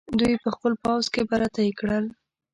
دوی یې په خپل پوځ کې برتۍ کړل.